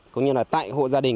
cũng như là tại hộ gia đình